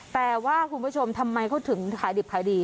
แต่ว่าคุณผู้ชมทำไมเขาถึงขายดิบขายดี